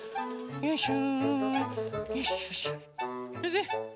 よいしょ。